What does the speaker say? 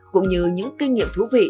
cũng như những kinh nghiệm thú vị